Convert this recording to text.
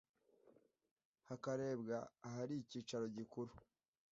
hakarebwa ahari icyicaro gikuru